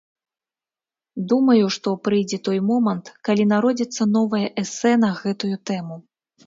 Думаю, што прыйдзе той момант, калі народзіцца новае эсэ на гэтую тэму.